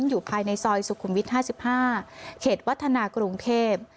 อยู่ภายในซอยสุขุมวิทย์ห้าสิบห้าเขตวัฒนากรุงเทพ